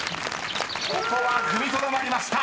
ここは踏みとどまりました］